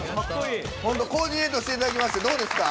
コーディネートしていただきまして、どうですか。